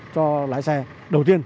cho lái xe đầu tiên